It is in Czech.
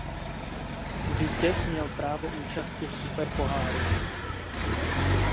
Vítěz měl právo účasti v Superpoháru.